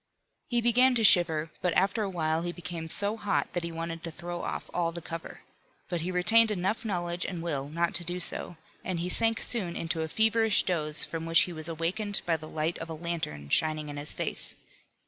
He began to shiver, but after a while he became so hot that he wanted to throw off all the cover. But he retained enough knowledge and will not to do so, and he sank soon into a feverish doze from which he was awakened by the light of a lantern shining in his face.